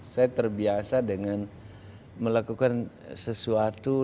saya terbiasa dengan melakukan sesuatu